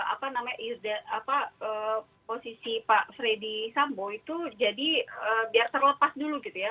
apa namanya posisi pak freddy sambo itu jadi biar terlepas dulu gitu ya